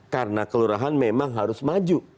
karena kelurahan memang harus maju